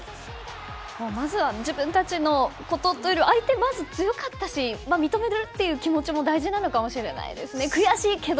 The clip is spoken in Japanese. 自分たちのことというより相手が強かったし認めるという気持ちも大事なのかもしれないですね。